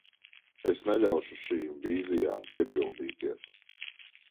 Es neļaušu šīm vīzijām piepildīties.